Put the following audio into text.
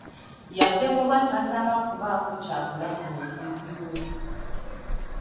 Yatemulwa tannaba kubaako ky'akola ku bufuzi bwe.